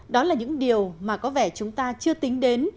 đó là những điều mà có vẻ chúng ta chưa tính đến